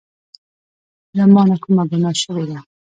له مانه کومه ګناه شوي ده